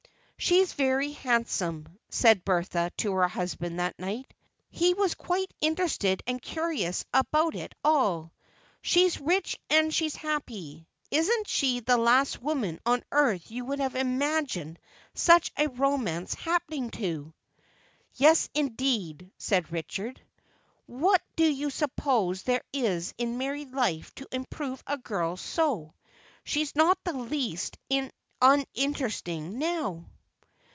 "She's very handsome," said Bertha to her husband that night. He was quite interested and curious about it all. "She's rich, and she's happy. Isn't she the last woman on earth you would have imagined such a romance happening to!" "Yes, indeed," said Richard. "What do you suppose there is in married life to improve a girl so? She's not in the least uninteresting now."